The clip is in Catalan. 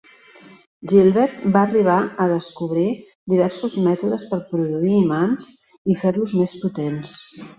Gilbert va arribar a descobrir diversos mètodes per produir imants i fer-los més potents.